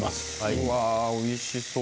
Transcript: うわあ、おいしそう。